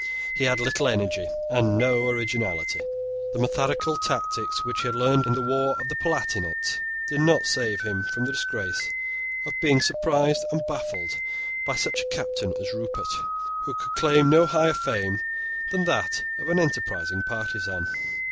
He had little energy and no originality. The methodical tactics which he had learned in the war of the Palatinate did not save him from the disgrace of being surprised and baffled by such a Captain as Rupert, who could claim no higher fame than that of an enterprising partisan.